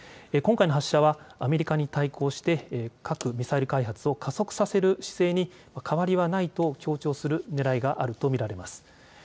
今回の発射はアメリカに対抗して核・ミサイル開発を加速させる姿勢に変わりはないと強調するねらいがあると見られます。